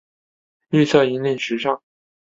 绿色引领时尚。